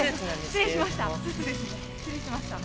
失礼しました。